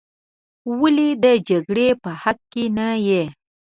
ولې د جګړې په حق کې نه یې.